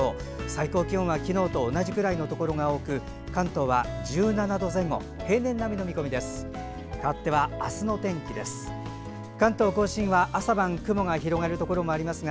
最高気温は昨日と同じくらいのところが多く関東は１７度前後で平年並みの見込みです。